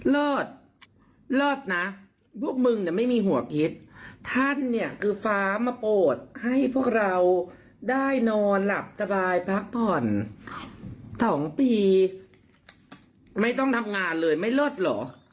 รอดรอดนะพวกมึงเนี่ยไม่มีหัวคิดท่านเนี่ยคือฟ้ามาโปรดให้พวกเราได้นอนหลับสบายพักผ่อน๒ปีไม่ต้องทำงานเลยไม่รอดเหรอ